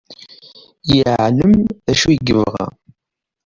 Yeɛlem d acu i yebɣa.